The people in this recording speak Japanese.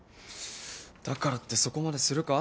だからってそこまでするか？